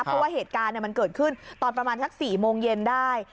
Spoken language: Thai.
เพราะว่าเหตุการณ์มันเกิดขึ้นตอนประมาณสัก๔โมงเย็นได้